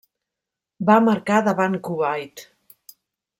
Va marcar davant Kuwait.